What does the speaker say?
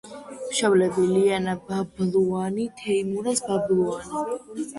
მშობლები: ლიანა ბაბლუანი, თეიმურაზ ბაბლუანი.